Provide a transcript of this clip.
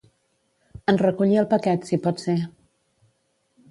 En recollir el paquet, si pot ser.